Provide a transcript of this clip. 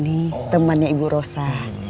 ini temannya ibu rosa